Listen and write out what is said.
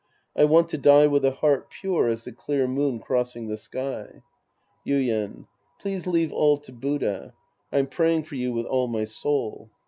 I want to die with a heart pure as the clear moon crossing the sky. Yuien. Please leave all to Buddha. I'm praying for you with all my soul.